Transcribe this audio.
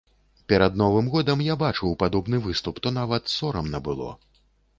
Перад новым годам я бачыў падобны выступ, то нават сорамна было.